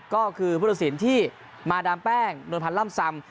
ก็คือพุทธศิลป์ที่มาดามแป้งนวลพันธ์ล่ำซำ